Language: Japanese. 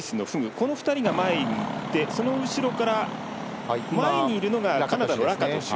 この２人が前にいてその後ろから、前にいるのがカナダのラカトシュ。